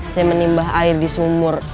saya menimbah air di sumur